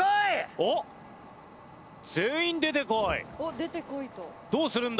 おっ「出てこい」と。どうするんだ？